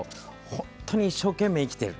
本当に一生懸命生きている。